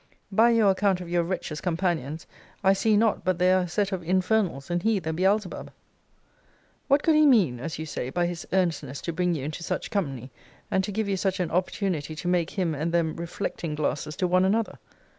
By your account of your wretch's companions, I see not but they are a set of infernals, and he the Beelzebub. What could he mean, as you say, by his earnestness to bring you into such company, and to give you such an opportunity to make him and them reflecting glasses to one another?